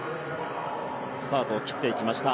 スタートを切っていきました。